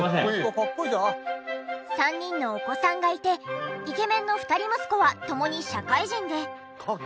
３人のお子さんがいてイケメンの２人息子は共に社会人で。